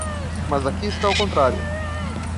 Mas aqui está o contrário.